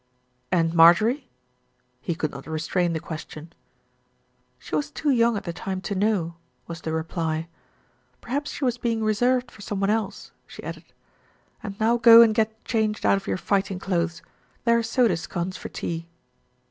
"And Marjorie?" He could not restrain the ques tion. "She was too young at the time to know," was the reply. "Perhaps she was being reserved for some one else," she added; "and now go and get changed out of your fighting clothes; there are soda scones for tea."